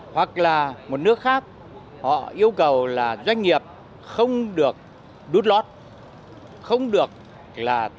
hoặc là một nước khác họ yêu cầu là doanh nghiệp không được đút lót